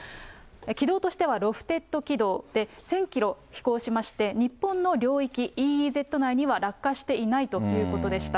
軌道としてはロフテッド起動で、１０００キロ飛行しまして、日本の領域、ＥＥＺ内には落下していないということでした。